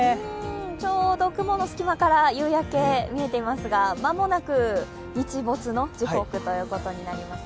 ちょうど雲の隙間から夕焼け見えていますが、間もなく日没の時刻ということになります。